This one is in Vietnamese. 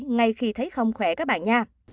ngay khi thấy không khỏe các bạn nha